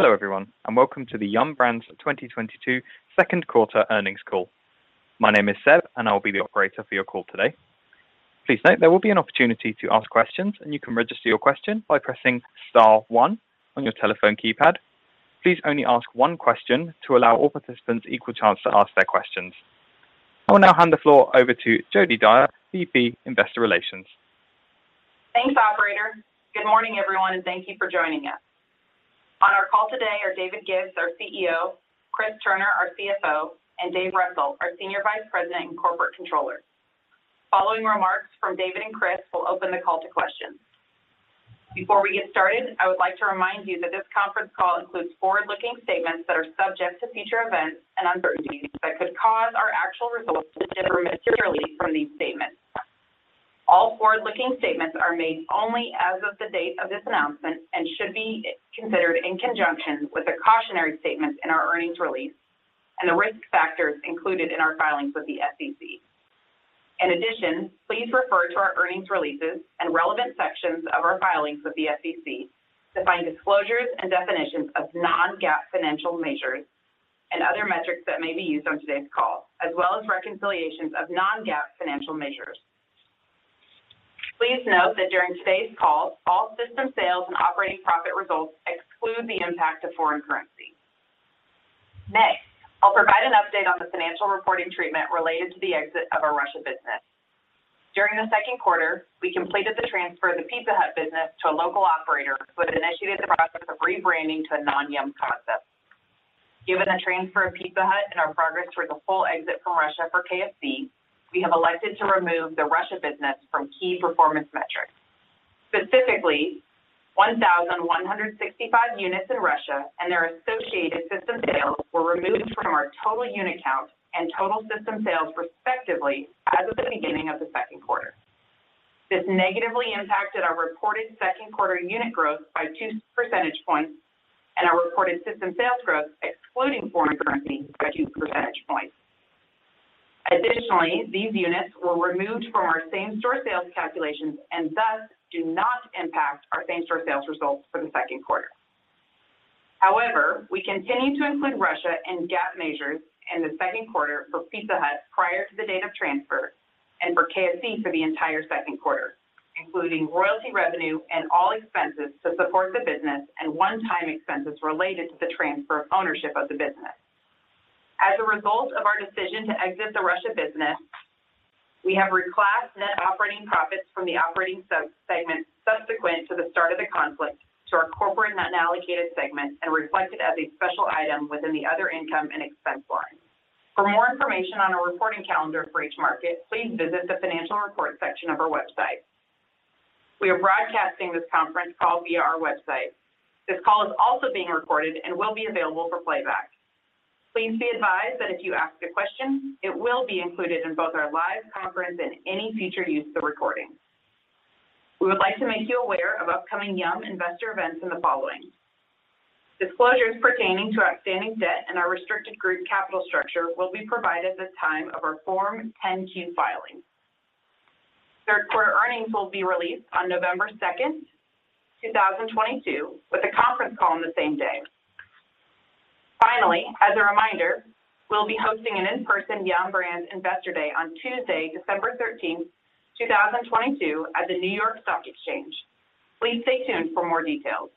Hello everyone, and welcome to the Yum! Brands 2022 second quarter earnings call. My name is Seb, and I'll be the operator for your call today. Please note there will be an opportunity to ask questions, and you can register your question by pressing star one on your telephone keypad. Please only ask one question to allow all participants an equal chance to ask their questions. I will now hand the floor over to Jodi Dyer, VP, Investor Relations. Thanks, operator. Good morning, everyone, and thank you for joining us. On our call today are David Gibbs, our CEO, Chris Turner, our CFO, and David Russell, our Senior Vice President and Corporate Controller. Following remarks from David and Chris, we'll open the call to questions. Before we get started, I would like to remind you that this conference call includes forward-looking statements that are subject to future events and uncertainties that could cause our actual results to differ materially from these statements. All forward-looking statements are made only as of the date of this announcement and should be considered in conjunction with the cautionary statements in our earnings release and the risk factors included in our filings with the SEC. In addition, please refer to our earnings releases and relevant sections of our filings with the SEC to find disclosures and definitions of non-GAAP financial measures and other metrics that may be used on today's call, as well as reconciliations of non-GAAP financial measures. Please note that during today's call, all system sales and operating profit results exclude the impact of foreign currency. Next, I'll provide an update on the financial reporting treatment related to the exit of our Russia business. During the second quarter, we completed the transfer of the Pizza Hut business to a local operator who has initiated the process of rebranding to a non-Yum concept. Given the transfer of Pizza Hut and our progress toward the full exit from Russia for KFC, we have elected to remove the Russia business from key performance metrics. Specifically, 1,165 units in Russia and their associated system sales were removed from our total unit count and total system sales respectively as of the beginning of the second quarter. This negatively impacted our reported second quarter unit growth by two percentage points and our reported system sales growth, excluding foreign currency, by two percentage points. Additionally, these units were removed from our same-store sales calculations and thus do not impact our same-store sales results for the second quarter. However, we continue to include Russia in GAAP measures in the second quarter for Pizza Hut prior to the date of transfer and for KFC for the entire second quarter, including royalty revenue and all expenses to support the business and one-time expenses related to the transfer of ownership of the business. As a result of our decision to exit the Russia business, we have reclassed net operating profits from the operating segment subsequent to the start of the conflict to our corporate unallocated segment and reflect it as a special item within the other income and expense line. For more information on our reporting calendar for each market, please visit the financial report section of our website. We are broadcasting this conference call via our website. This call is also being recorded and will be available for playback. Please be advised that if you ask a question, it will be included in both our live conference and any future use of the recording. We would like to make you aware of upcoming Yum investor events in the following. Disclosures pertaining to outstanding debt and our restricted group capital structure will be provided at the time of our Form 10-Q filing. Third quarter earnings will be released on November 2nd, 2022, with a conference call on the same day. Finally, as a reminder, we'll be hosting an in-person Yum! Brands Investor Day on Tuesday, December 13th, 2022 at the New York Stock Exchange. Please stay tuned for more details.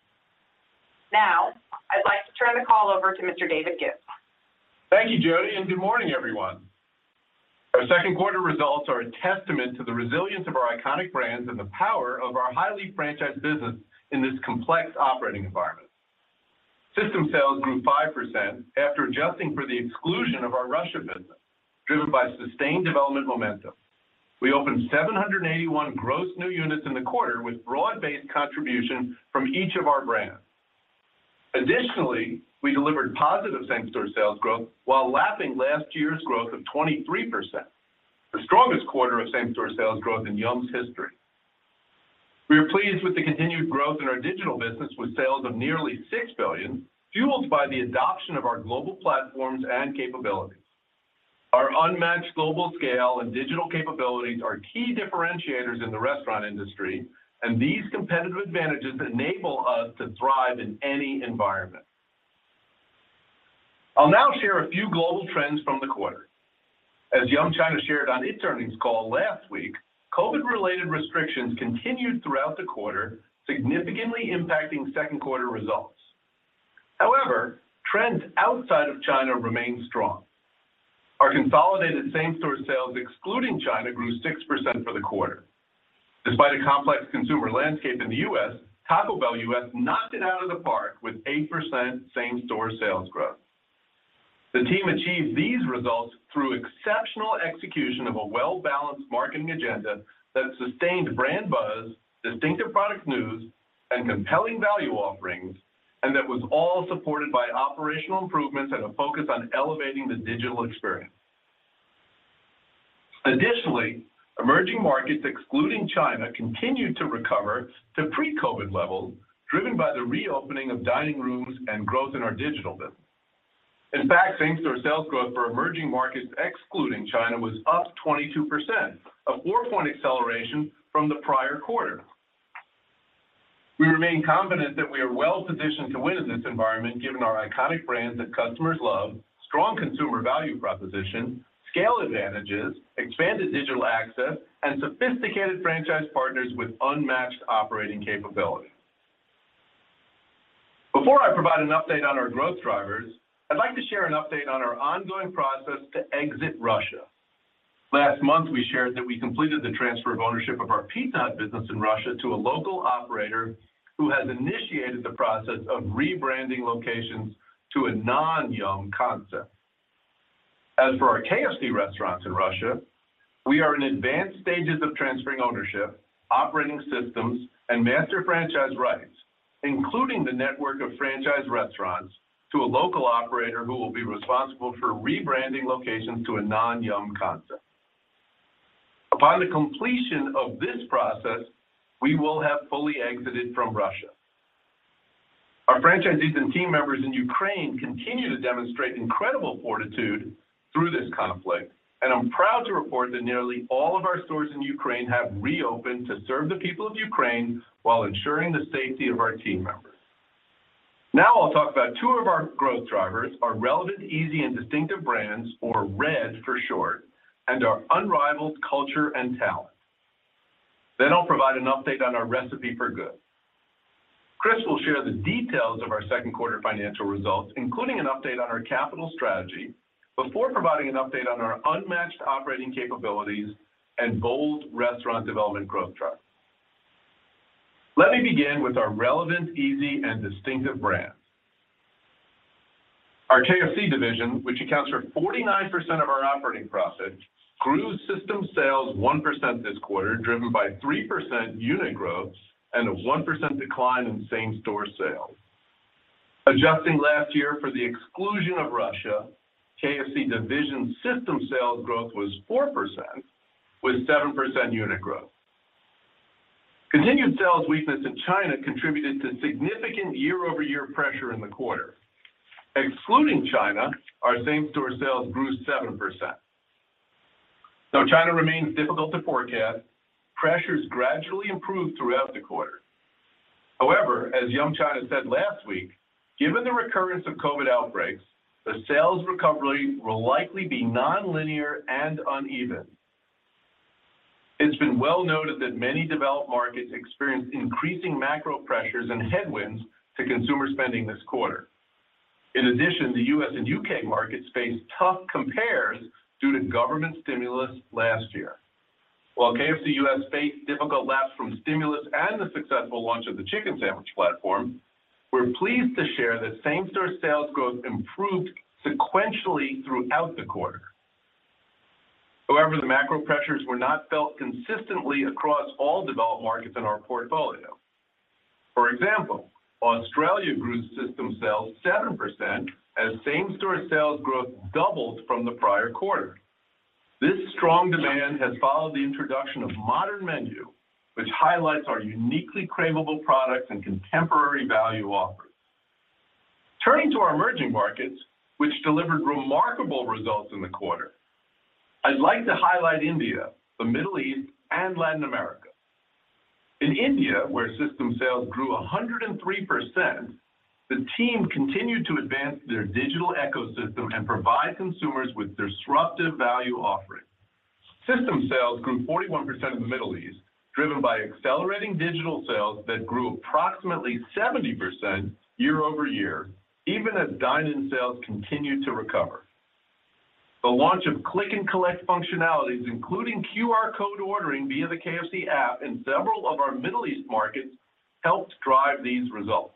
Now, I'd like to turn the call over to Mr. David Gibbs. Thank you, Jodi, and good morning, everyone. Our second quarter results are a testament to the resilience of our iconic brands and the power of our highly franchised business in this complex operating environment. System sales grew 5% after adjusting for the exclusion of our Russia business, driven by sustained development momentum. We opened 781 gross new units in the quarter with broad-based contribution from each of our brands. Additionally, we delivered positive same-store sales growth while lapping last year's growth of 23%, the strongest quarter of same-store sales growth in Yum's history. We are pleased with the continued growth in our digital business with sales of nearly $6 billion, fueled by the adoption of our global platforms and capabilities. Our unmatched global scale and digital capabilities are key differentiators in the restaurant industry, and these competitive advantages enable us to thrive in any environment. I'll now share a few global trends from the quarter. As Yum China shared on its earnings call last week, COVID-related restrictions continued throughout the quarter, significantly impacting second quarter results. However, trends outside of China remain strong. Our consolidated same-store sales, excluding China, grew 6% for the quarter. Despite a complex consumer landscape in the U.S., Taco Bell U.S. knocked it out of the park with 8% same-store sales growth. The team achieved these results through exceptional execution of a well-balanced marketing agenda that sustained brand buzz, distinctive product news, and compelling value offerings, and that was all supported by operational improvements and a focus on elevating the digital experience. Additionally, emerging markets, excluding China, continued to recover to pre-COVID levels, driven by the reopening of dining rooms and growth in our digital business. In fact, same-store sales growth for emerging markets excluding China was up 22%, a four-point acceleration from the prior quarter. We remain confident that we are well-positioned to win in this environment given our iconic brands that customers love, strong consumer value proposition, scale advantages, expanded digital access, and sophisticated franchise partners with unmatched operating capability. Before I provide an update on our growth drivers, I'd like to share an update on our ongoing process to exit Russia. Last month, we shared that we completed the transfer of ownership of our Pizza Hut business in Russia to a local operator who has initiated the process of rebranding locations to a non-Yum concept. As for our KFC restaurants in Russia, we are in advanced stages of transferring ownership, operating systems, and master franchise rights, including the network of franchise restaurants to a local operator who will be responsible for rebranding locations to a non-Yum concept. Upon the completion of this process, we will have fully exited from Russia. Our franchisees and team members in Ukraine continue to demonstrate incredible fortitude through this conflict, and I'm proud to report that nearly all of our stores in Ukraine have reopened to serve the people of Ukraine while ensuring the safety of our team members. Now I'll talk about two of our growth drivers, our relevant, easy, and distinctive brands, or RED for short, and our unrivaled culture and talent. I'll provide an update on our Recipe for Good. Chris will share the details of our second quarter financial results, including an update on our capital strategy before providing an update on our unmatched operating capabilities and bold restaurant development growth drivers. Let me begin with our relevant, easy, and distinctive brands. Our KFC division, which accounts for 49% of our operating profit, grew system sales 1% this quarter, driven by 3% unit growth and a 1% decline in same-store sales. Adjusting last year for the exclusion of Russia, KFC division system sales growth was 4% with 7% unit growth. Continued sales weakness in China contributed to significant year-over-year pressure in the quarter. Excluding China, our same-store sales grew 7%. Though China remains difficult to forecast, pressures gradually improved throughout the quarter. However, as Yum China said last week, given the recurrence of COVID outbreaks, the sales recovery will likely be nonlinear and uneven. It's been well noted that many developed markets experienced increasing macro pressures and headwinds to consumer spending this quarter. In addition, the U.S. and U.K. markets faced tough compares due to government stimulus last year. While KFC U.S. faced difficult laps from stimulus and the successful launch of the chicken sandwich platform, we're pleased to share that same-store sales growth improved sequentially throughout the quarter. However, the macro pressures were not felt consistently across all developed markets in our portfolio. For example, Australia grew system sales 7% as same-store sales growth doubled from the prior quarter. This strong demand has followed the introduction of modern menu, which highlights our uniquely craveable products and contemporary value offerings. Turning to our emerging markets, which delivered remarkable results in the quarter, I'd like to highlight India, the Middle East, and Latin America. In India, where system sales grew 103%, the team continued to advance their digital ecosystem and provide consumers with disruptive value offerings. System sales grew 41% in the Middle East, driven by accelerating digital sales that grew approximately 70% year-over-year, even as dine-in sales continued to recover. The launch of click and collect functionalities, including QR code ordering via the KFC app in several of our Middle East markets, helped drive these results.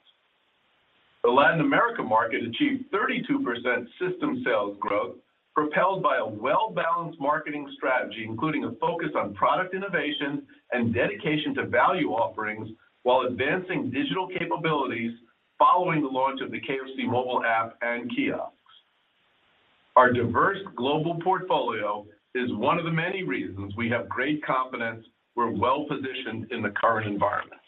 The Latin America market achieved 32% system sales growth, propelled by a well-balanced marketing strategy, including a focus on product innovation and dedication to value offerings while advancing digital capabilities following the launch of the KFC mobile app and kiosks. Our diverse global portfolio is one of the many reasons we have great confidence we're well-positioned in the current environment.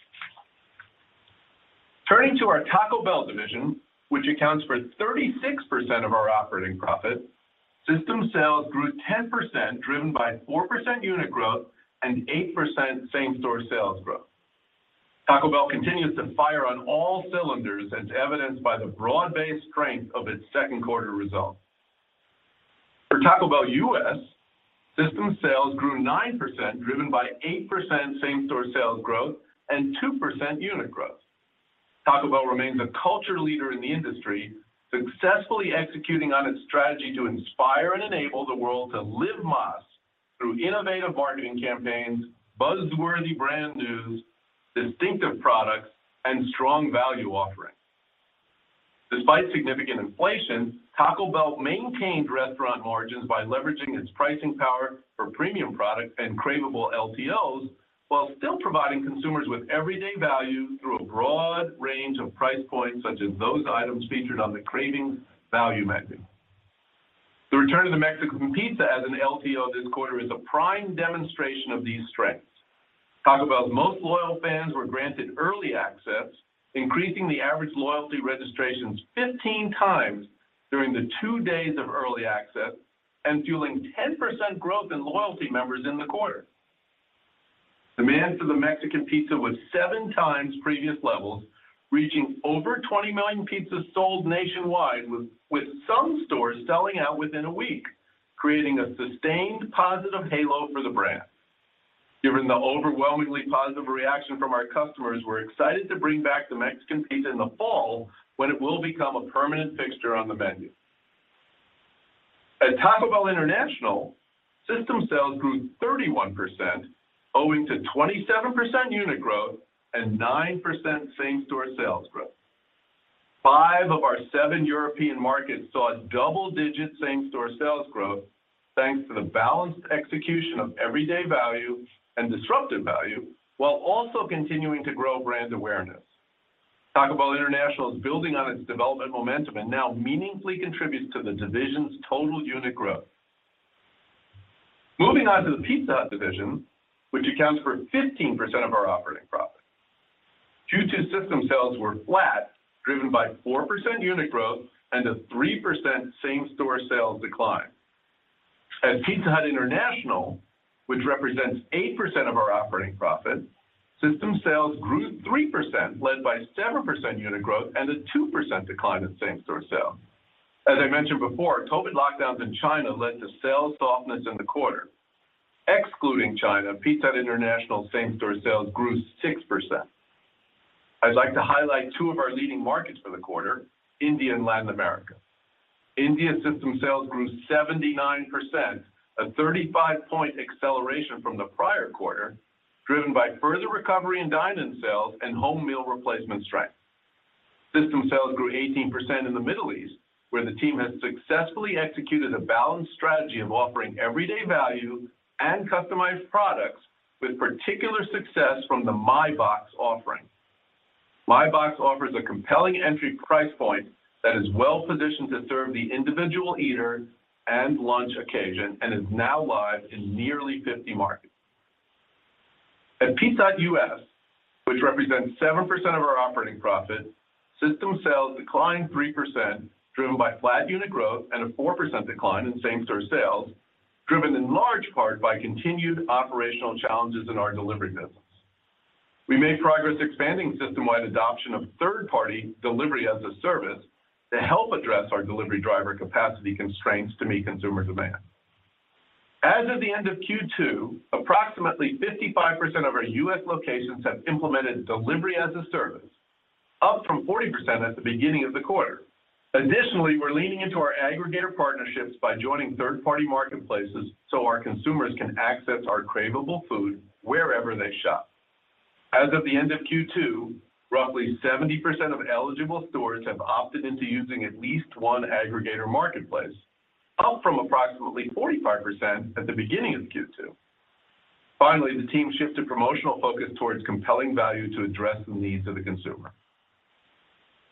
Turning to our Taco Bell division, which accounts for 36% of our operating profit, system sales grew 10%, driven by 4% unit growth and 8% same-store sales growth. Taco Bell continues to fire on all cylinders as evidenced by the broad-based strength of its second quarter results. For Taco Bell U.S., system sales grew 9%, driven by 8% same-store sales growth and 2% unit growth. Taco Bell remains a culture leader in the industry, successfully executing on its strategy to inspire and enable the world to Live Más through innovative marketing campaigns, buzz-worthy brand news, distinctive products, and strong value offerings. Despite significant inflation, Taco Bell maintained restaurant margins by leveraging its pricing power for premium products and craveable LTOs while still providing consumers with everyday value through a broad range of price points, such as those items featured on the Cravings Value Menu. The return of the Mexican Pizza as an LTO this quarter is a prime demonstration of these strengths. Taco Bell's most loyal fans were granted early access, increasing the average loyalty registrations 15 times during the two days of early access and fueling 10% growth in loyalty members in the quarter. Demand for the Mexican Pizza was seven times previous levels, reaching over 20 million pizzas sold nationwide, with some stores selling out within a week, creating a sustained positive halo for the brand. Given the overwhelmingly positive reaction from our customers, we're excited to bring back the Mexican Pizza in the fall when it will become a permanent fixture on the menu. At Taco Bell International, system sales grew 31%, owing to 27% unit growth and 9% same-store sales growth. Five of our seven European markets saw double-digit same-store sales growth, thanks to the balanced execution of everyday value and disruptive value, while also continuing to grow brand awareness. Taco Bell International is building on its development momentum and now meaningfully contributes to the division's total unit growth. Moving on to the Pizza Hut division, which accounts for 15% of our operating profit. Q2 system sales were flat, driven by 4% unit growth and a 3% same-store sales decline. At Pizza Hut International, which represents 8% of our operating profit, system sales grew 3% led by 7% unit growth and a 2% decline in same-store sales. As I mentioned before, COVID lockdowns in China led to sales softness in the quarter. Excluding China, Pizza Hut International same-store sales grew 6%. I'd like to highlight two of our leading markets for the quarter, India and Latin America. India system sales grew 79%, a 35-point acceleration from the prior quarter, driven by further recovery in dine-in sales and home meal replacement strength. System sales grew 18% in the Middle East, where the team has successfully executed a balanced strategy of offering everyday value and customized products with particular success from the My Box offering. My Box offers a compelling entry price point that is well-positioned to serve the individual eater and lunch occasion and is now live in nearly 50 markets. At Pizza Hut U.S., which represents 7% of our operating profit, system sales declined 3%, driven by flat unit growth and a 4% decline in same-store sales, driven in large part by continued operational challenges in our delivery business. We made progress expanding system-wide adoption of third-party delivery as a service to help address our delivery driver capacity constraints to meet consumer demand. As of the end of Q2, approximately 55% of our U.S. locations have implemented delivery as a service, up from 40% at the beginning of the quarter. Additionally, we're leaning into our aggregator partnerships by joining third-party marketplaces so our consumers can access our craveable food wherever they shop. As of the end of Q2, roughly 70% of eligible stores have opted into using at least one aggregator marketplace, up from approximately 45% at the beginning of Q2. Finally, the team shifted promotional focus towards compelling value to address the needs of the consumer.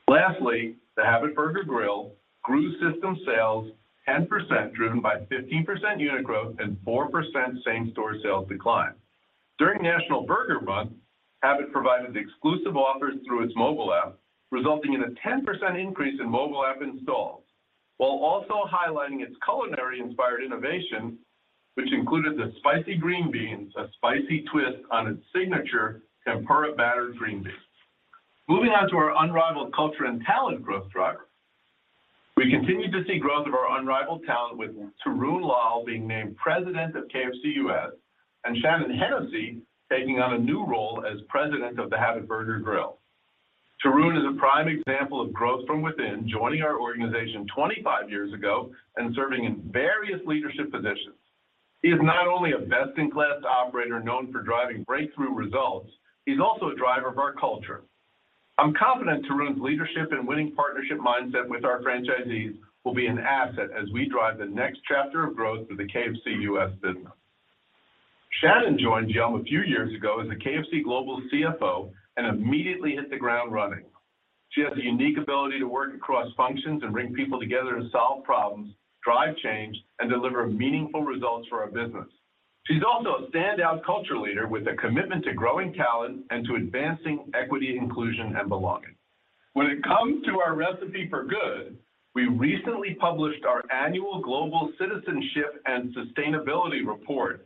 Lastly, The Habit Burger Grill grew system sales 10%, driven by 15% unit growth and 4% same-store sales decline. During National Burger Month, Habit provided exclusive offers through its mobile app, resulting in a 10% increase in mobile app installs, while also highlighting its culinary-inspired innovation, which included the Spicy Green Beans, a spicy twist on its signature tempura battered green beans. Moving on to our unrivaled culture and talent growth driver. We continue to see growth of our unrivaled talent with Tarun Lal being named President of KFC U.S. and Shannon Hennessy taking on a new role as President of The Habit Burger Grill. Tarun is a prime example of growth from within, joining our organization 25 years ago and serving in various leadership positions. He is not only a best-in-class operator known for driving breakthrough results, he's also a driver of our culture. I'm confident Tarun's leadership and winning partnership mindset with our franchisees will be an asset as we drive the next chapter of growth for the KFC U.S. business. Shannon joined Yum a few years ago as a KFC Global CFO and immediately hit the ground running. She has a unique ability to work across functions and bring people together to solve problems, drive change, and deliver meaningful results for our business. She's also a standout culture leader with a commitment to growing talent and to advancing equity, inclusion, and belonging. When it comes to our recipe for good, we recently published our annual Global Citizenship and Sustainability Report,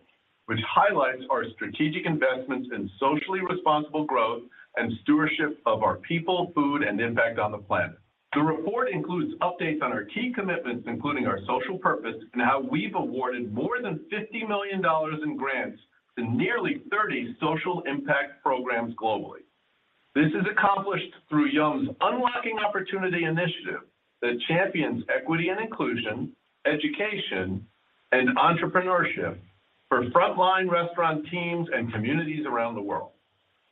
which highlights our strategic investments in socially responsible growth and stewardship of our people, food, and impact on the planet. The report includes updates on our key commitments, including our social purpose, and how we've awarded more than $50 million in grants to nearly 30 social impact programs globally. This is accomplished through Yum's Unlocking Opportunity Initiative that champions equity and inclusion, education, and entrepreneurship for frontline restaurant teams and communities around the world.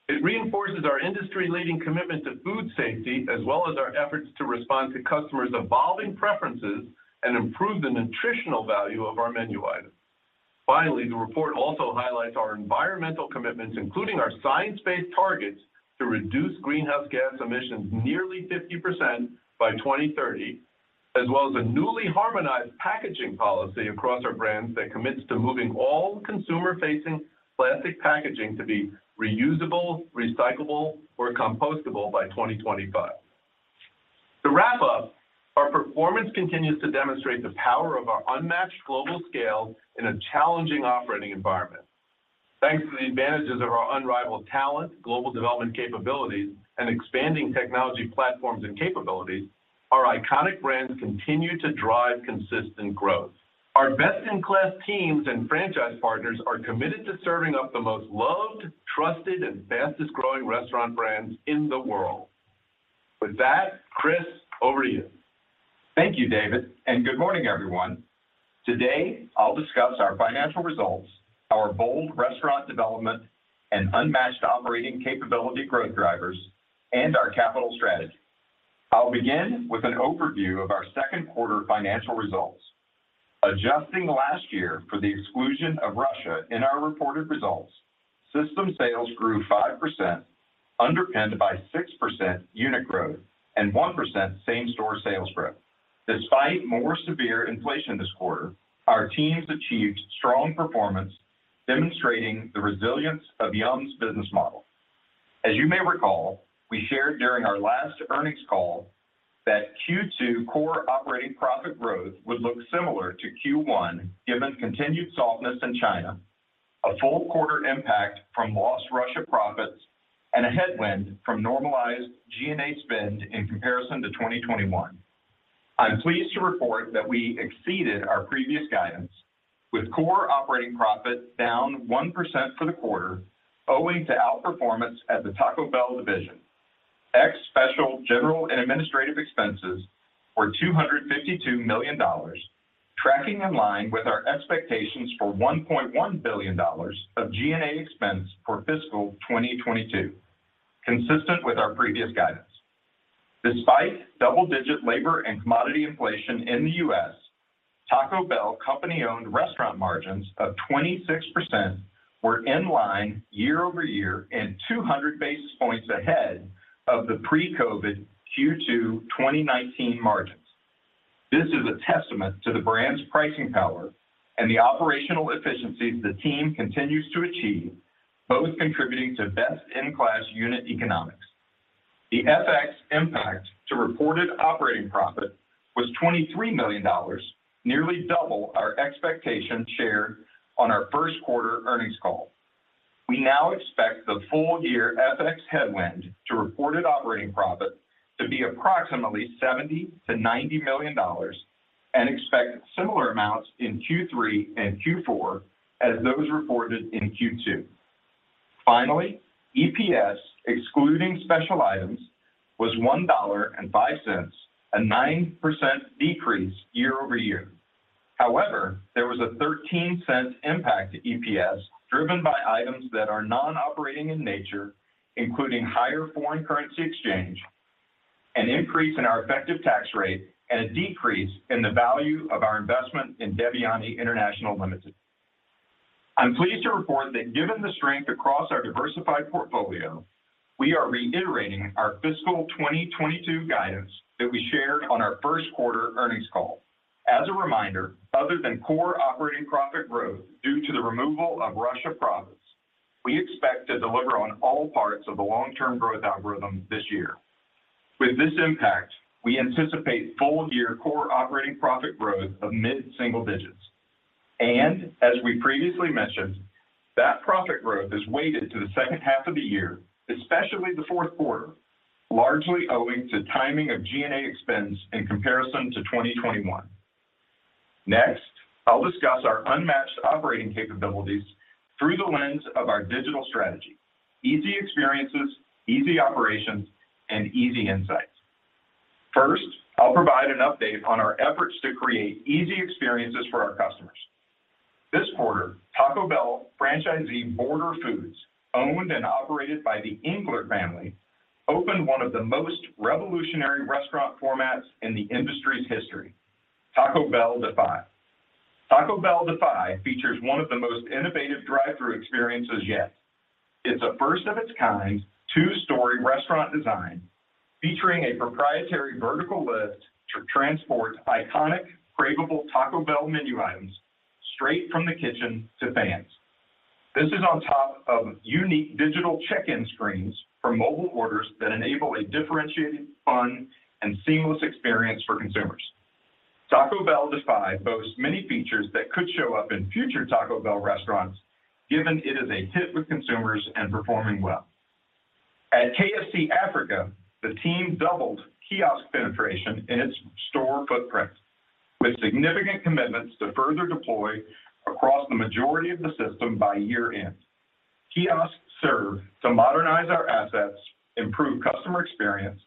It reinforces our industry-leading commitment to food safety, as well as our efforts to respond to customers' evolving preferences and improve the nutritional value of our menu items. Finally, the report also highlights our environmental commitments, including our science-based targets to reduce greenhouse gas emissions nearly 50% by 2030, as well as a newly harmonized packaging policy across our brands that commits to moving all consumer-facing plastic packaging to be reusable, recyclable, or compostable by 2025. To wrap up, our performance continues to demonstrate the power of our unmatched global scale in a challenging operating environment. Thanks to the advantages of our unrivaled talent, global development capabilities, and expanding technology platforms and capabilities, our iconic brands continue to drive consistent growth. Our best-in-class teams and franchise partners are committed to serving up the most loved, trusted, and fastest-growing restaurant brands in the world. With that, Chris, over to you. Thank you, David, and good morning, everyone. Today, I'll discuss our financial results, our bold restaurant development and unmatched operating capability growth drivers, and our capital strategy. I'll begin with an overview of our second quarter financial results. Adjusting last year for the exclusion of Russia in our reported results, system sales grew 5%, underpinned by 6% unit growth and 1% same-store sales growth. Despite more severe inflation this quarter, our teams achieved strong performance, demonstrating the resilience of Yum's business model. As you may recall, we shared during our last earnings call that Q2 core operating profit growth would look similar to Q1, given continued softness in China, a full quarter impact from lost Russia profits, and a headwind from normalized G&A spend in comparison to 2021. I'm pleased to report that we exceeded our previous guidance with core operating profit down 1% for the quarter, owing to outperformance at the Taco Bell division. Ex special general and administrative expenses were $252 million, tracking in line with our expectations for $1.1 billion of G&A expense for fiscal 2022, consistent with our previous guidance. Despite double-digit labor and commodity inflation in the U.S., Taco Bell company-owned restaurant margins of 26% were in line year-over-year and 200 basis points ahead of the pre-COVID Q2 2019 margins. This is a testament to the brand's pricing power and the operational efficiencies the team continues to achieve, both contributing to best-in-class unit economics. The FX impact to reported operating profit was $23 million, nearly double our expectation shared on our first quarter earnings call. We now expect the full year FX headwind to reported operating profit to be approximately $70 million-$90 million and expect similar amounts in Q3 and Q4 as those reported in Q2. Finally, EPS, excluding special items, was $1.05, a 9% decrease year-over-year. However, there was a $0.13 impact to EPS, driven by items that are non-operating in nature, including higher foreign currency exchange, an increase in our effective tax rate, and a decrease in the value of our investment in Devyani International Limited. I'm pleased to report that given the strength across our diversified portfolio, we are reiterating our fiscal 2022 guidance that we shared on our first quarter earnings call. As a reminder, other than core operating profit growth due to the removal of Russia profits, we expect to deliver on all parts of the long-term growth algorithm this year. With this impact, we anticipate full-year core operating profit growth of mid-single digits%. As we previously mentioned, that profit growth is weighted to the second half of the year, especially the fourth quarter, largely owing to timing of G&A expense in comparison to 2021. Next, I'll discuss our unmatched operating capabilities through the lens of our digital strategy, easy experiences, easy operations, and easy insights. First, I'll provide an update on our efforts to create easy experiences for our customers. This quarter, Taco Bell franchisee Border Foods, owned and operated by the Englert family, opened one of the most revolutionary restaurant formats in the industry's history, Taco Bell Defy. Taco Bell Defy features one of the most innovative drive-thru experiences yet. It's a first of its kind two-story restaurant design featuring a proprietary vertical lift to transport iconic, craveable Taco Bell menu items straight from the kitchen to fans. This is on top of unique digital check-in screens for mobile orders that enable a differentiated, fun, and seamless experience for consumers. Taco Bell Defy boasts many features that could show up in future Taco Bell restaurants, given it is a hit with consumers and performing well. At KFC Africa, the team doubled kiosk penetration in its store footprint with significant commitments to further deploy across the majority of the system by year end. Kiosks serve to modernize our assets, improve customer experience,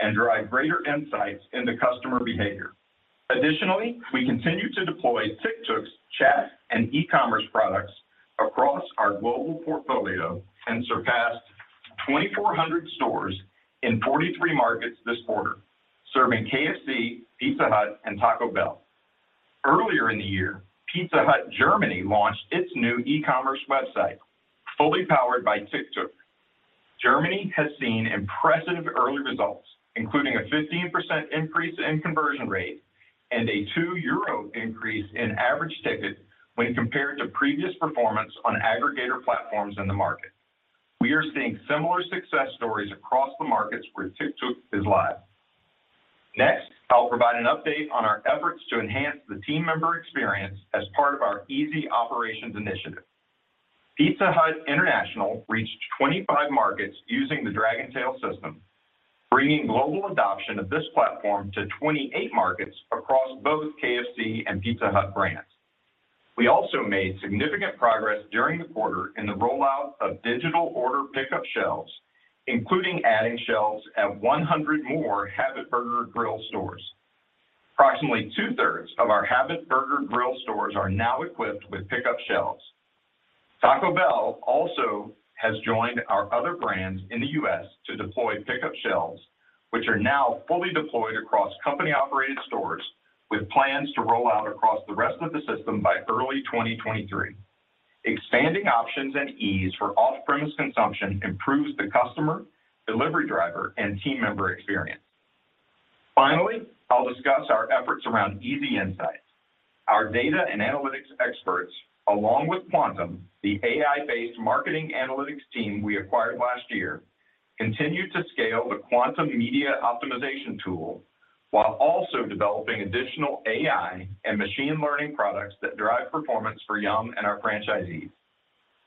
and drive greater insights into customer behavior. Additionally, we continue to deploy Tictuk's chat and e-commerce products across our global portfolio and surpassed 2,400 stores in 43 markets this quarter, serving KFC, Pizza Hut, and Taco Bell. Earlier in the year, Pizza Hut Germany launched its new e-commerce website, fully powered by Tictuk. Germany has seen impressive early results, including a 15% increase in conversion rate and a 2 euro increase in average ticket when compared to previous performance on aggregator platforms in the market. We are seeing similar success stories across the markets where Tictuk is live. Next, I'll provide an update on our efforts to enhance the team member experience as part of our Easy Operations initiative. Pizza Hut International reached 25 markets using the Dragontail system, bringing global adoption of this platform to 28 markets across both KFC and Pizza Hut brands. We also made significant progress during the quarter in the rollout of digital order pickup shelves, including adding shelves at 100 more Habit Burger Grill stores. Approximately two-thirds of our Habit Burger Grill stores are now equipped with pickup shelves. Taco Bell also has joined our other brands in the U.S. to deploy pickup shelves, which are now fully deployed across company-operated stores with plans to roll out across the rest of the system by early 2023. Expanding options and ease for off-premise consumption improves the customer, delivery driver, and team member experience. Finally, I'll discuss our efforts around Easy Insights. Our data and analytics experts, along with Kvantum, the AI-based marketing analytics team we acquired last year, continue to scale the Kvantum media optimization tool while also developing additional AI and machine learning products that drive performance for Yum and our franchisees.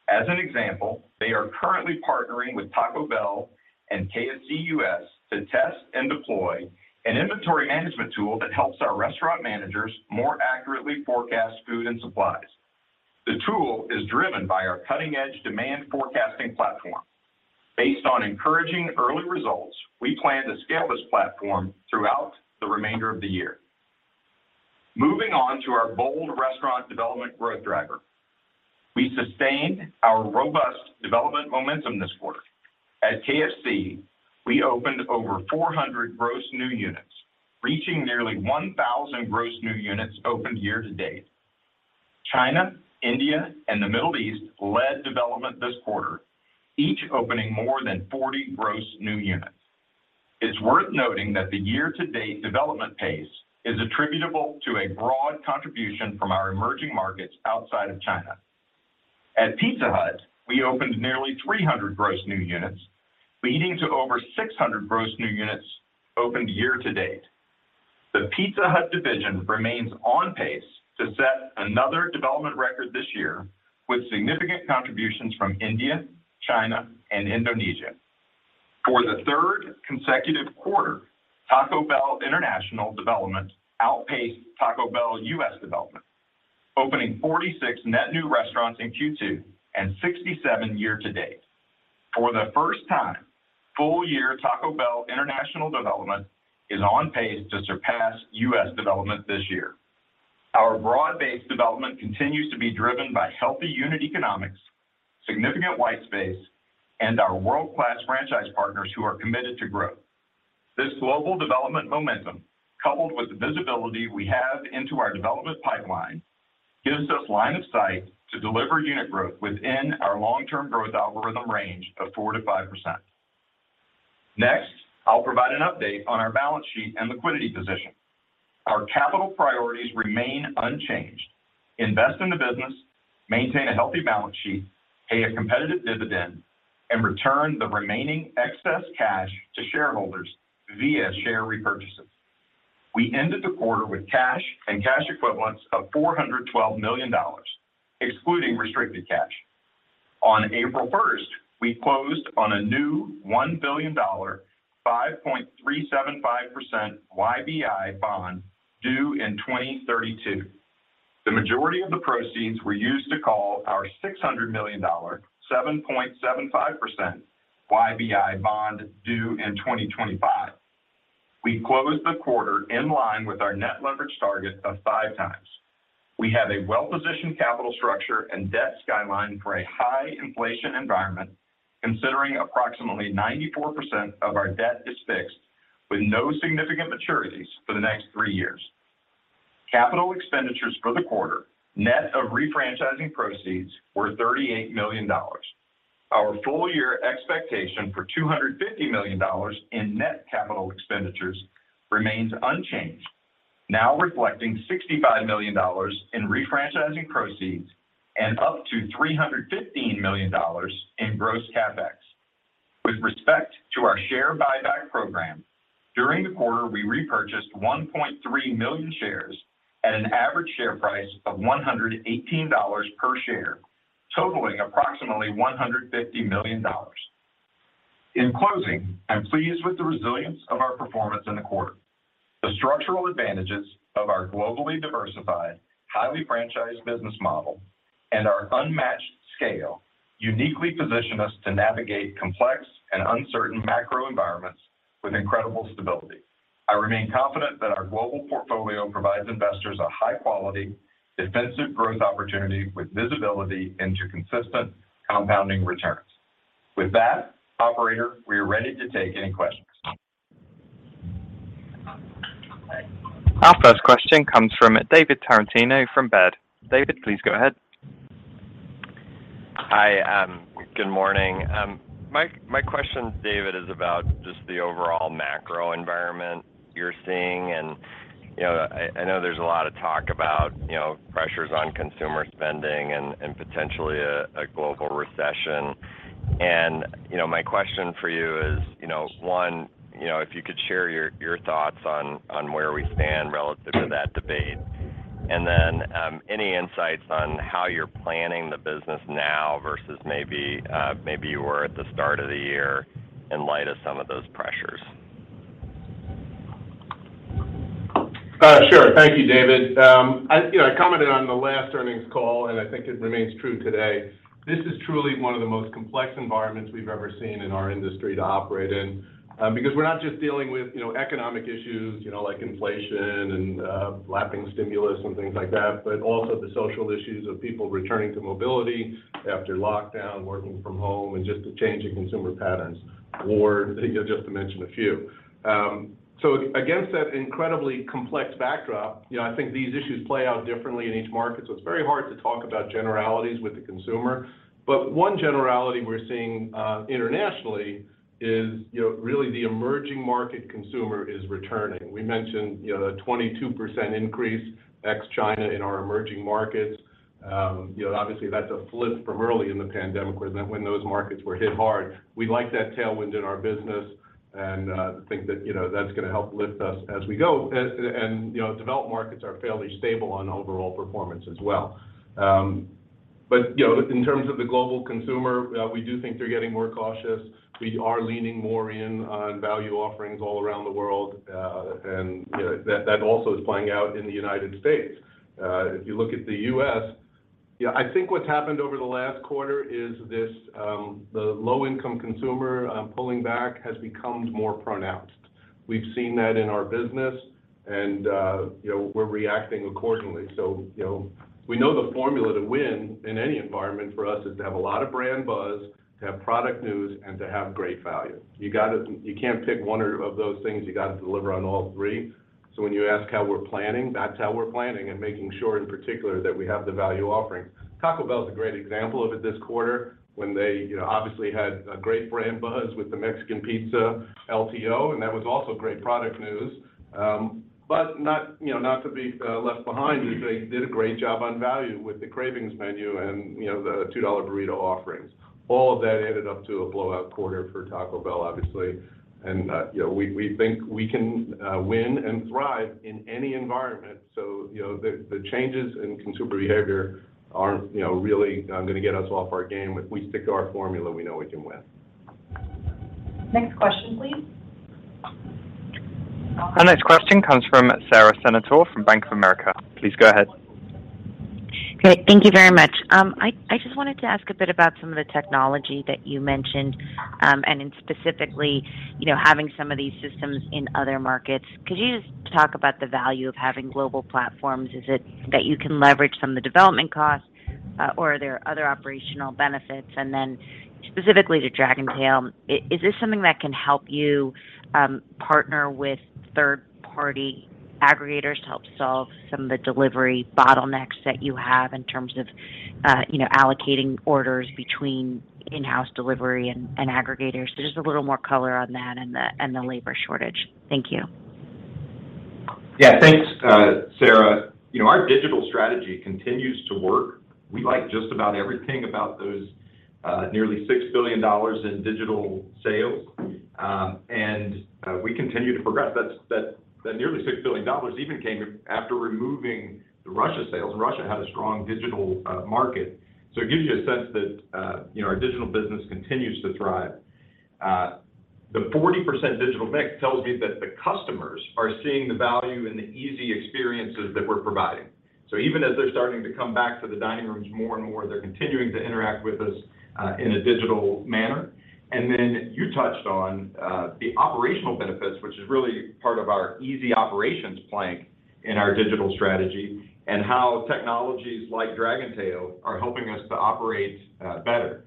As an example, they are currently partnering with Taco Bell and KFC U.S. to test and deploy an inventory management tool that helps our restaurant managers more accurately forecast food and supplies. The tool is driven by our cutting-edge demand forecasting platform. Based on encouraging early results, we plan to scale this platform throughout the remainder of the year. Moving on to our bold restaurant development growth driver. We sustained our robust development momentum this quarter. At KFC, we opened over 400 gross new units, reaching nearly 1,000 gross new units opened year to date. China, India, and the Middle East led development this quarter, each opening more than 40 gross new units. It's worth noting that the year-to-date development pace is attributable to a broad contribution from our emerging markets outside of China. At Pizza Hut, we opened nearly 300 gross new units, leading to over 600 gross new units opened year to date. The Pizza Hut division remains on pace to set another development record this year with significant contributions from India, China, and Indonesia. For the third consecutive quarter, Taco Bell International development outpaced Taco Bell U.S. development, opening 46 net new restaurants in Q2 and 67 year to date. For the first time, full-year Taco Bell International development is on pace to surpass U.S. development this year. Our broad-based development continues to be driven by healthy unit economics, significant white space, and our world-class franchise partners who are committed to growth. This global development momentum, coupled with the visibility we have into our development pipeline, gives us line of sight to deliver unit growth within our long-term growth algorithm range of 4%-5%. Next, I'll provide an update on our balance sheet and liquidity position. Our capital priorities remain unchanged. Invest in the business, maintain a healthy balance sheet, pay a competitive dividend, and return the remaining excess cash to shareholders via share repurchases. We ended the quarter with cash and cash equivalents of $412 million, excluding restricted cash. On April 1st, we closed on a new $1 billion, 5.375% YBI bond due in 2032. The majority of the proceeds were used to call our $600 million, 7.75% YBI bond due in 2025. We closed the quarter in line with our net leverage target of 5x. We have a well-positioned capital structure and debt skyline for a high inflation environment, considering approximately 94% of our debt is fixed with no significant maturities for the next three years. Capital expenditures for the quarter, net of refranchising proceeds, were $38 million. Our full year expectation for $250 million in net capital expenditures remains unchanged, now reflecting $65 million in refranchising proceeds and up to $315 million in gross CapEx. With respect to our share buyback program, during the quarter, we repurchased 1.3 million shares at an average share price of $118 per share, totaling approximately $150 million. In closing, I'm pleased with the resilience of our performance in the quarter. The structural advantages of our globally diversified, highly franchised business model, and our unmatched scale uniquely position us to navigate complex and uncertain macro environments with incredible stability. I remain confident that our global portfolio provides investors a high quality, defensive growth opportunity with visibility into consistent compounding returns. With that, operator, we are ready to take any questions. Our first question comes from David Tarantino from Baird. David, please go ahead. Hi, good morning. My question, David, is about just the overall macro environment you're seeing. You know, I know there's a lot of talk about you know, pressures on consumer spending and potentially a global recession. You know, my question for you is you know, if you could share your thoughts on where we stand relative to that debate. Any insights on how you're planning the business now versus maybe you were at the start of the year in light of some of those pressures. Sure. Thank you, David. You know, I commented on the last earnings call, and I think it remains true today. This is truly one of the most complex environments we've ever seen in our industry to operate in, because we're not just dealing with, you know, economic issues, you know, like inflation and, lapping stimulus and things like that, but also the social issues of people returning to mobility after lockdown, working from home, and just the change in consumer patterns, or, you know, just to mention a few. Against that incredibly complex backdrop, you know, I think these issues play out differently in each market, so it's very hard to talk about generalities with the consumer. One generality we're seeing, internationally is, you know, really the emerging market consumer is returning. We mentioned, you know, the 22% increase ex China in our emerging markets. You know, obviously, that's a flip from early in the pandemic when those markets were hit hard. We like that tailwind in our business and think that, you know, that's gonna help lift us as we go. You know, developed markets are fairly stable on overall performance as well. You know, in terms of the global consumer, we do think they're getting more cautious. We are leaning more in on value offerings all around the world, and, you know, that also is playing out in the United States. If you look at the U.S., yeah, I think what's happened over the last quarter is this, the low-income consumer pulling back has become more pronounced. We've seen that in our business, and you know, we're reacting accordingly. You know, we know the formula to win in any environment for us is to have a lot of brand buzz, to have product news, and to have great value. You can't pick one or two of those things. You gotta deliver on all three. When you ask how we're planning, that's how we're planning and making sure, in particular, that we have the value offerings. Taco Bell is a great example of it this quarter when they, you know, obviously had a great brand buzz with the Mexican Pizza LTO, and that was also great product news, but not, you know, not to be left behind, they did a great job on value with the Cravings Menu and, you know, the $2 burrito offerings. All of that added up to a blowout quarter for Taco Bell, obviously. You know, we think we can win and thrive in any environment. You know, the changes in consumer behavior aren't you know really gonna get us off our game. If we stick to our formula, we know we can win. Next question, please. Our next question comes from Sara Senatore from Bank of America. Please go ahead. Okay. Thank you very much. I just wanted to ask a bit about some of the technology that you mentioned, and specifically, you know, having some of these systems in other markets. Could you just talk about the value of having global platforms? Is it that you can leverage some of the development costs, or are there other operational benefits? Specifically to Dragontail, is this something that can help you partner with third-party aggregators to help solve some of the delivery bottlenecks that you have in terms of, you know, allocating orders between in-house delivery and aggregators? Just a little more color on that and the labor shortage. Thank you. Yeah, thanks, Sara. You know, our digital strategy continues to work. We like just about everything about those nearly $6 billion in digital sales, and we continue to progress. That's nearly $6 billion even came after removing the Russia sales. Russia had a strong digital market, so it gives you a sense that you know, our digital business continues to thrive. The 40% digital mix tells me that the customers are seeing the value and the easy experiences that we're providing. Even as they're starting to come back to the dining rooms more and more, they're continuing to interact with us in a digital manner. You touched on the operational benefits, which is really part of our easy operations plank in our digital strategy, and how technologies like Dragontail are helping us to operate better.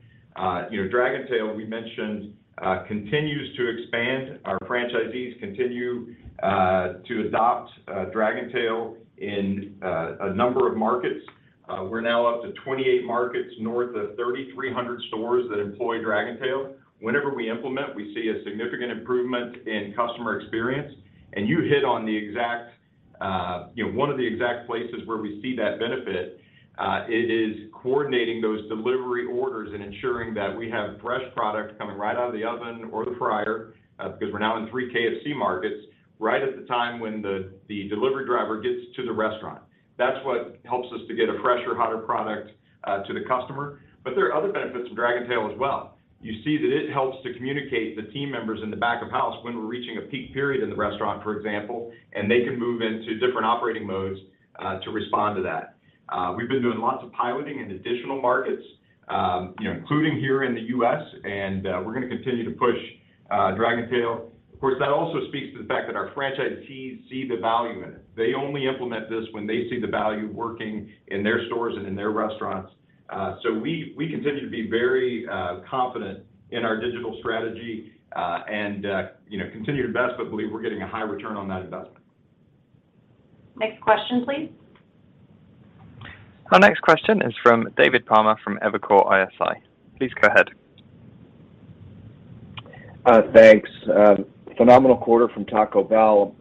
You know, Dragontail, we mentioned, continues to expand. Our franchisees continue to adopt Dragontail in a number of markets. We're now up to 28 markets, north of 3,300 stores that employ Dragontail. Whenever we implement, we see a significant improvement in customer experience, and you hit on the exact, you know, one of the exact places where we see that benefit. It is coordinating those delivery orders and ensuring that we have fresh product coming right out of the oven or the fryer, because we're now in three KFC markets, right at the time when the delivery driver gets to the restaurant. That's what helps us to get a fresher, hotter product to the customer. There are other benefits from Dragontail as well. You see that it helps to communicate the team members in the back of house when we're reaching a peak period in the restaurant, for example, and they can move into different operating modes to respond to that. We've been doing lots of piloting in additional markets, you know, including here in the U.S., and we're gonna continue to push Dragontail. Of course, that also speaks to the fact that our franchisees see the value in it. They only implement this when they see the value working in their stores and in their restaurants. We continue to be very confident in our digital strategy, and you know, continue to invest, but believe we're getting a high return on that investment. Next question, please. Our next question is from David Palmer from Evercore ISI. Please go ahead. Thanks. Phenomenal quarter from Taco Bell.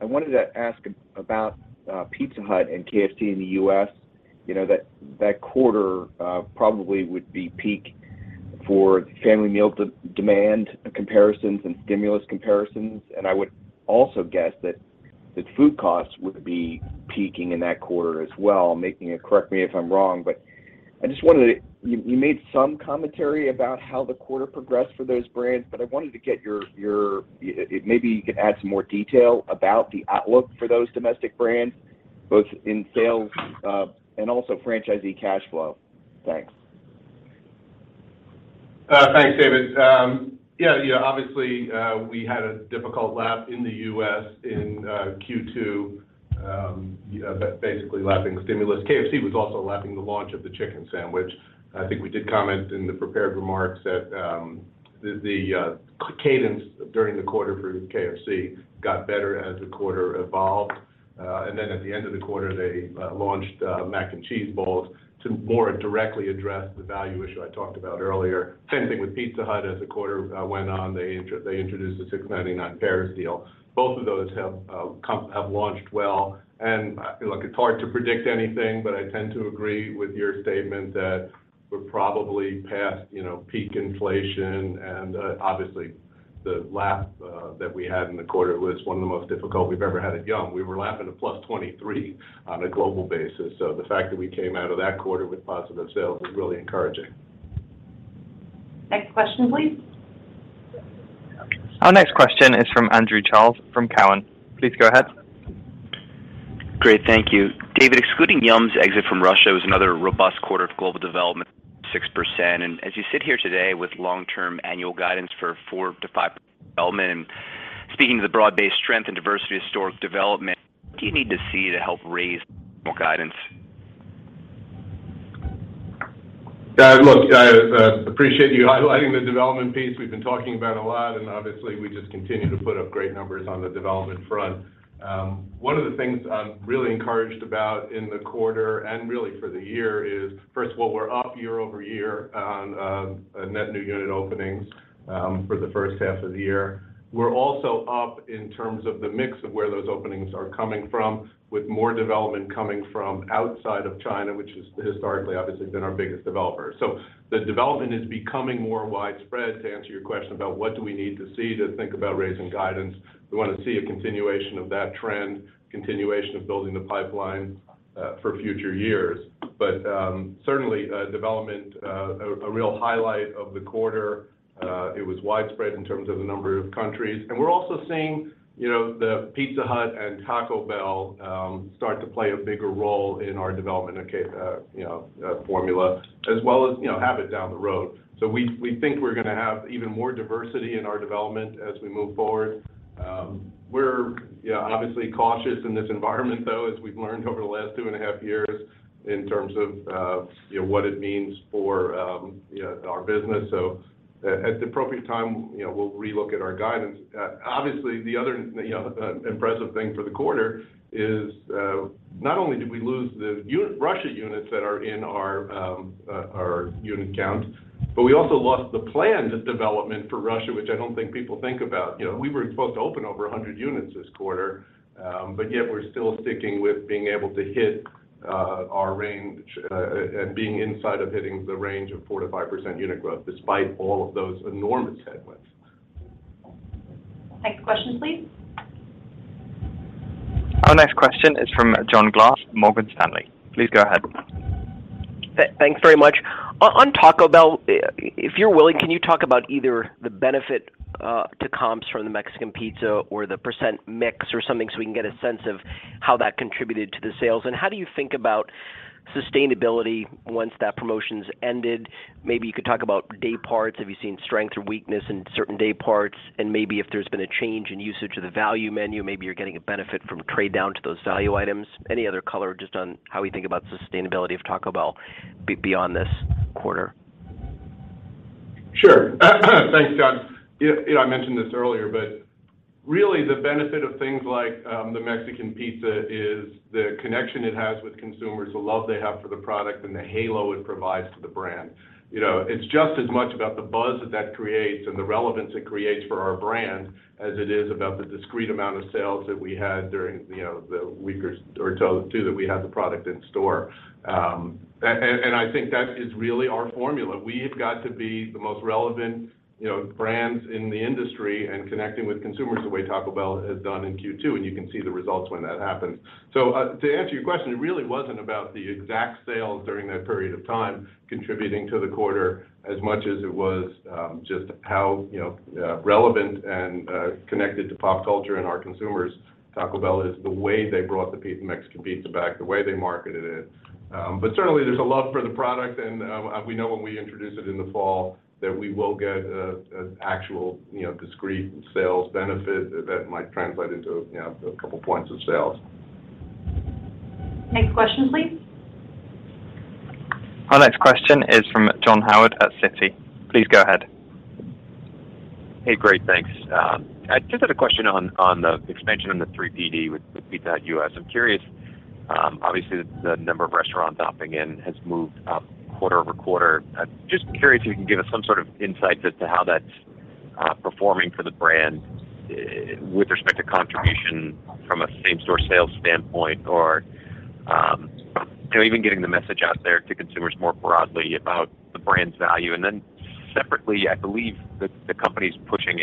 I wanted to ask about Pizza Hut and KFC in the U.S. You know, that quarter probably would be peak for family meal demand comparisons and stimulus comparisons. I would also guess that food costs would be peaking in that quarter as well, making it. Correct me if I'm wrong, but I just wanted to. You made some commentary about how the quarter progressed for those brands, but I wanted to get your. Maybe you could add some more detail about the outlook for those domestic brands, both in sales and also franchisee cash flow. Thanks. Thanks, David. Yeah, obviously, we had a difficult lap in the U.S. in Q2, basically lapping stimulus. KFC was also lapping the launch of the chicken sandwich. I think we did comment in the prepared remarks that the cadence during the quarter for KFC got better as the quarter evolved. At the end of the quarter, they launched Mac & Cheese Bites to more directly address the value issue I talked about earlier. Same thing with Pizza Hut. As the quarter went on, they introduced the $6.99 Any Deal. Both of those have launched well. Look, it's hard to predict anything, but I tend to agree with your statement that we're probably past, you know, peak inflation. Obviously, the lapping that we had in the quarter was one of the most difficult we've ever had at Yum!. We were lapping a +23% on a global basis. The fact that we came out of that quarter with positive sales is really encouraging. Next question, please. Our next question is from Andrew Charles from Cowen. Please go ahead. Great. Thank you. David, excluding Yum!'s exit from Russia, it was another robust quarter of global development, 6%. As you sit here today with long-term annual guidance for 4%-5% development, and speaking to the broad-based strength and diversity of historic development, what do you need to see to help raise more guidance? Look, I appreciate you highlighting the development piece. We've been talking about a lot, and obviously, we just continue to put up great numbers on the development front. One of the things I'm really encouraged about in the quarter and really for the year is, first of all, we're up year-over-year on net new unit openings for the first half of the year. We're also up in terms of the mix of where those openings are coming from, with more development coming from outside of China, which has historically, obviously, been our biggest developer. The development is becoming more widespread. To answer your question about what do we need to see to think about raising guidance, we wanna see a continuation of that trend, continuation of building the pipeline for future years. Certainly, development a real highlight of the quarter. It was widespread in terms of the number of countries. We're also seeing, you know, the Pizza Hut and Taco Bell start to play a bigger role in our development formula, as well as, you know, habit down the road. We think we're gonna have even more diversity in our development as we move forward. We're, you know, obviously cautious in this environment, though, as we've learned over the last two and a half years in terms of, you know, what it means for, you know, our business. At the appropriate time, you know, we'll relook at our guidance. Obviously, the other impressive thing for the quarter is, not only did we lose the Russia units that are in our unit count, but we also lost the planned development for Russia, which I don't think people think about. You know, we were supposed to open over 100 units this quarter, but yet we're still sticking with being able to hit our range, and being inside of hitting the range of 4%-5% unit growth despite all of those enormous headwinds. Next question, please. Our next question is from John Glass, Morgan Stanley. Please go ahead. Thanks very much. On Taco Bell, if you're willing, can you talk about either the benefit to comps from the Mexican Pizza or the percent mix or something so we can get a sense of how that contributed to the sales? How do you think about sustainability once that promotion's ended? Maybe you could talk about day parts. Have you seen strength or weakness in certain day parts? Maybe if there's been a change in usage of the value menu, you're getting a benefit from trade down to those value items. Any other color just on how we think about sustainability of Taco Bell beyond this quarter. Sure. Thanks, John. You know I mentioned this earlier, but really the benefit of things like the Mexican Pizza is the connection it has with consumers, the love they have for the product, and the halo it provides to the brand. You know, it's just as much about the buzz that creates and the relevance it creates for our brand as it is about the discrete amount of sales that we had during, you know, the weeks or so two that we had the product in store. And I think that is really our formula. We have got to be the most relevant, you know, brands in the industry and connecting with consumers the way Taco Bell has done in Q2, and you can see the results when that happens. To answer your question, it really wasn't about the exact sales during that period of time contributing to the quarter as much as it was, just how, you know, relevant and connected to pop culture and our consumers. Taco Bell is the way they brought the Mexican Pizza back, the way they marketed it. But certainly there's a love for the product, and we know when we introduce it in the fall that we will get an actual, you know, discrete sales benefit that might translate into, you know, a couple points of sales. Next question, please. Our next question is from John Ivankoe at J.P. Morgan. Please go ahead. Hey. Great. Thanks. I just had a question on the expansion of the 3PD with Pizza Hut U.S. I'm curious, obviously the number of restaurants opting in has moved up quarter-over-quarter. I'm just curious if you can give us some sort of insight as to how that's performing for the brand with respect to contribution from a same-store sales standpoint or, you know, even getting the message out there to consumers more broadly about the brand's value. Then separately, I believe that the company's pushing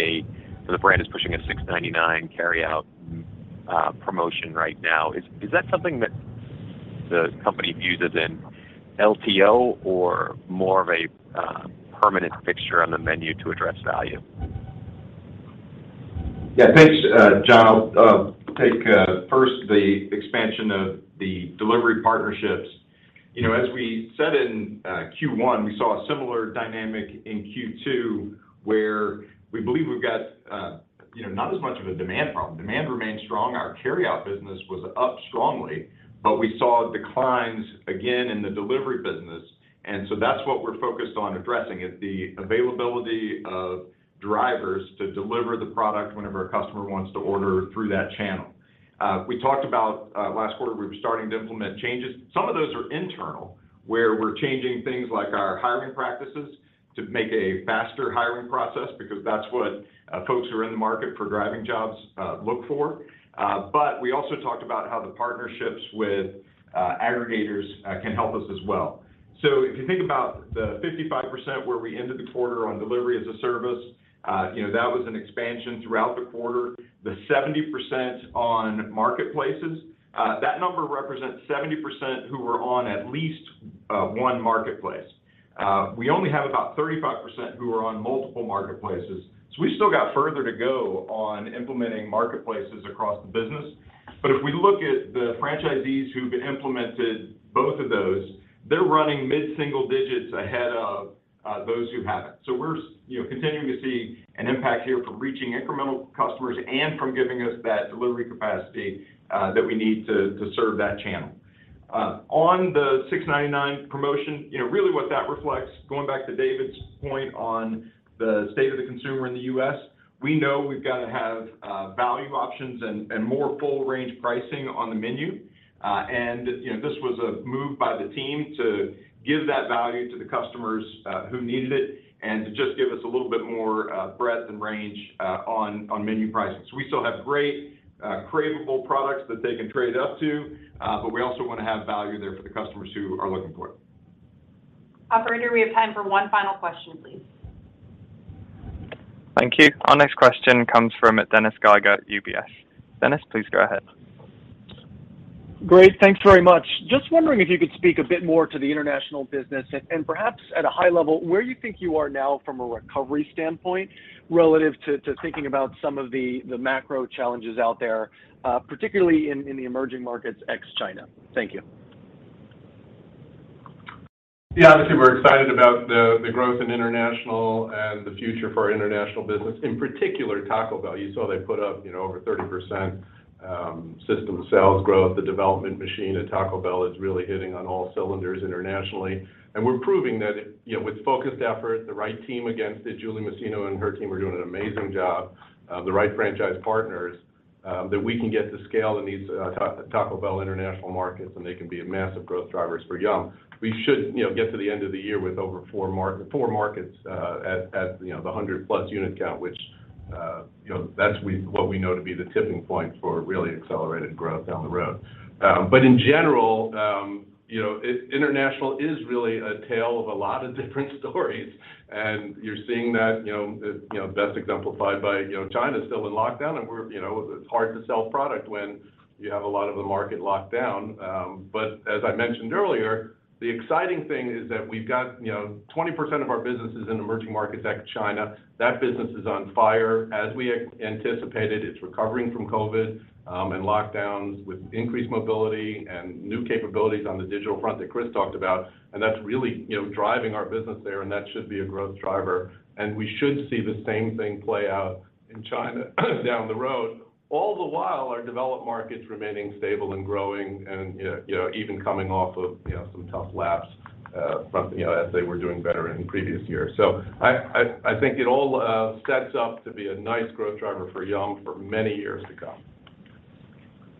or the brand is pushing a $6.99 carry-out promotion right now. Is that something that the company views it in LTO or more of a permanent fixture on the menu to address value? Yeah. Thanks, John. I'll take first the expansion of the delivery partnerships. You know, as we said in Q1, we saw a similar dynamic in Q2, where we believe we've got you know, not as much of a demand problem. Demand remained strong. Our carryout business was up strongly, but we saw declines again in the delivery business, and so that's what we're focused on addressing, is the availability of drivers to deliver the product whenever a customer wants to order through that channel. We talked about last quarter, we were starting to implement changes. Some of those are internal, where we're changing things like our hiring practices to make a faster hiring process because that's what folks who are in the market for driving jobs look for. We also talked about how the partnerships with aggregators can help us as well. If you think about the 55% where we ended the quarter on delivery as a service, you know, that was an expansion throughout the quarter. The 70% on marketplaces, that number represents 70% who were on at least one marketplace. We only have about 35% who are on multiple marketplaces, so we still got further to go on implementing marketplaces across the business. If we look at the franchisees who've implemented both of those, they're running mid-single digits ahead of those who haven't. We're you know, continuing to see an impact here from reaching incremental customers and from giving us that delivery capacity that we need to serve that channel. On the $6.99 promotion, you know, really what that reflects, going back to David's point on the state of the consumer in the U.S., we know we've gotta have value options and more full range pricing on the menu. You know, this was a move by the team to give that value to the customers who needed it and to just give us a little bit more breadth and range on menu pricing. We still have great craveable products that they can trade up to, but we also wanna have value there for the customers who are looking for it. Operator, we have time for one final question, please. Thank you. Our next question comes from Dennis Geiger at UBS. Dennis, please go ahead. Great. Thanks very much. Just wondering if you could speak a bit more to the international business and perhaps at a high level, where you think you are now from a recovery standpoint relative to thinking about some of the macro challenges out there, particularly in the emerging markets ex-China. Thank you. Yeah. Obviously, we're excited about the growth in international and the future for our international business, in particular Taco Bell. You saw they put up, you know, over 30% system sales growth. The development machine at Taco Bell is really hitting on all cylinders internationally. We're proving that, you know, with focused effort, the right team against it, Julie Felss Masino and her team are doing an amazing job, the right franchise partners, that we can get to scale in these, Taco Bell International markets, and they can be a massive growth drivers for Yum!. We should, you know, get to the end of the year with over four markets, at you know, the 100+ unit count, which you know, that's what we know to be the tipping point for really accelerated growth down the road. In general, you know, international is really a tale of a lot of different stories. You're seeing that, you know, you know, best exemplified by, you know, China's still in lockdown, and we're, you know, it's hard to sell product when you have a lot of the market locked down. As I mentioned earlier, the exciting thing is that we've got, you know, 20% of our business is in emerging markets, ex-China. That business is on fire. As we anticipated, it's recovering from COVID, and lockdowns with increased mobility and new capabilities on the digital front that Chris talked about, and that's really, you know, driving our business there, and that should be a growth driver. We should see the same thing play out in China down the road, all the while our developed markets remaining stable and growing and, you know, even coming off of, you know, some tough comps from, you know, as they were doing better in previous years. I think it all sets up to be a nice growth driver for Yum for many years to come.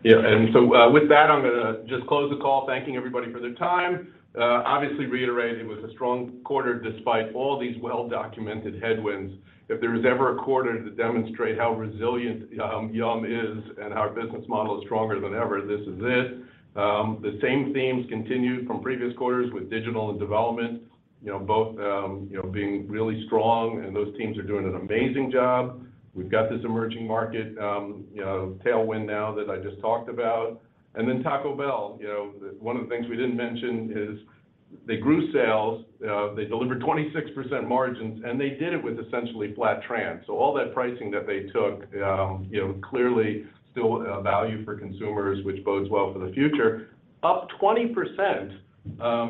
With that, I'm gonna just close the call thanking everybody for their time. Obviously reiterating it was a strong quarter despite all these well-documented headwinds. If there was ever a quarter to demonstrate how resilient Yum is and our business model is stronger than ever, this is it. The same themes continued from previous quarters with digital and development, you know, both being really strong, and those teams are doing an amazing job. We've got this emerging market, you know, tailwind now that I just talked about. Taco Bell, you know, one of the things we didn't mention is they grew sales, they delivered 26% margins, and they did it with essentially flat trans. All that pricing that they took, you know, clearly still a value for consumers, which bodes well for the future. Up 20%,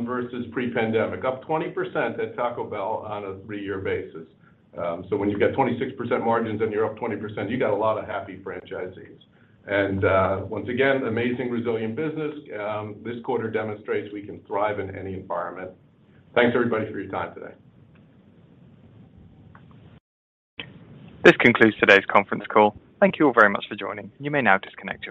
versus pre-pandemic, up 20% at Taco Bell on a three-year basis. When you've got 26% margins and you're up 20%, you got a lot of happy franchisees. Once again, amazing resilient business. This quarter demonstrates we can thrive in any environment. Thanks everybody for your time today. This concludes today's conference call. Thank you all very much for joining. You may now disconnect your lines.